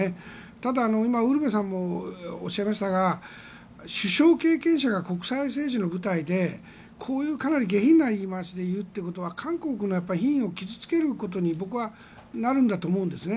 ただ、今ウルヴェさんもおっしゃいましたが首相経験者が国際政治の舞台でこういうかなり下品な言い回しで言うということは韓国の品位を傷付けることに僕はなるんだと思うんですね。